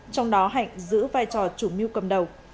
trong đó hạnh giữ vai trò chủ mưu cầm đầu